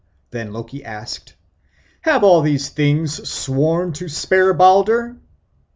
Then Loki asked, "Have all things sworn to spare Balder?"